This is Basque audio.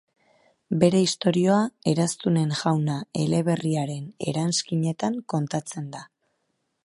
Bere istorioa, Eraztunen Jauna eleberriaren eranskinetan kontatzen da.